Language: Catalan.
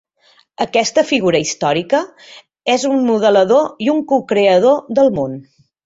Aquesta figura històrica és un modelador i un cocreador del món.